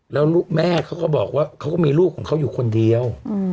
แล้วลูกแม่เขาก็บอกว่าเขาก็มีลูกของเขาอยู่คนเดียว